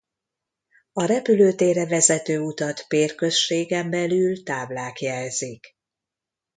A repülőtérre vezető utat Pér községen belül táblák jelzik.